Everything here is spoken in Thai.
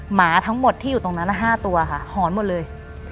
หมาทั้งหมดที่อยู่ตรงนั้น๕ตัวค่ะหอนหมดเลย